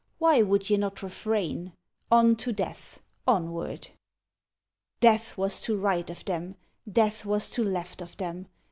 Why would ye not refrain ? On to death, onward ! Death was to right of them. Death was to left of them.